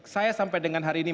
saya sampai dengan hari ini